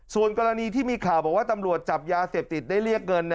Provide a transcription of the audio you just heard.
ส่วนกรณีที่มีข่าวบอกว่าตำรวจจับยาเสพติดได้เรียกเงิน